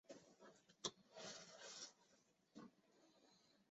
晚明阉党官员。